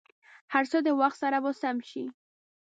هر څه د وخت سره به سم شي.